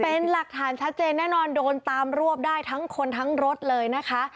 เป็นหลักฐานชัดเจนแน่นอนโดนตามรวบได้ทั้งคนทั้งรถเลยนะคะ